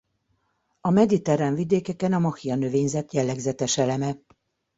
A mediterrán vidékeken a macchia növényzet jellegzetes eleme.